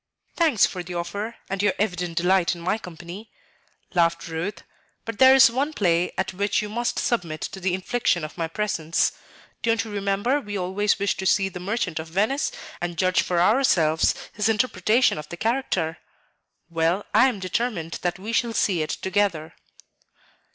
"Thanks for the offer and your evident delight in my company," laughed Ruth; "but there is one play at which you must submit to the infliction of my presence. Don't you remember we always wished to see the 'Merchant of Venice' and judge for ourselves his interpretation of the character? Well, I am determined that we shall see it together."